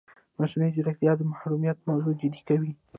مصنوعي ځیرکتیا د محرمیت موضوع جدي کوي.